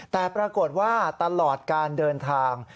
แต่ปรากฏว่าตลอดการเดินทาง